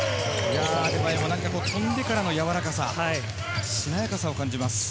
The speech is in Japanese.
跳んでからの柔らかさ、しなやかさを感じます。